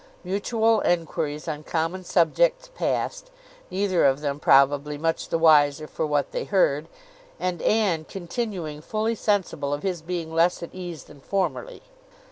Mutual enquiries on common subjects passed: neither of them, probably, much the wiser for what they heard, and Anne continuing fully sensible of his being less at ease than formerly.